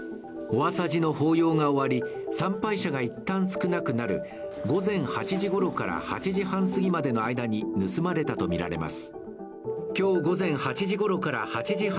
法要が終わり、参拝者が一旦少なくなる、午前８時ごろから８時半すぎまでの間に盗まれたとみられます。